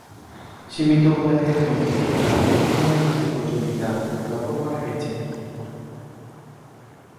সীমিত ওভারের ক্রিকেটে তার বোলিংয়ের উপযোগিতা লক্ষ্য করা গেছে।